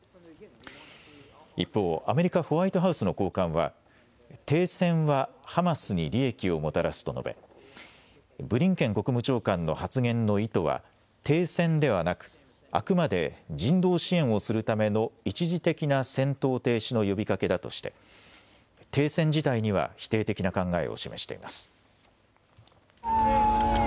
一方、アメリカ・ホワイトハウスの高官は、停戦はハマスに利益をもたらすと述べ、ブリンケン国務長官の発言の意図は、停戦ではなく、あくまで人道支援をするための一時的な戦闘停止の呼びかけだとして、停戦自体には否定的な考えを示しています。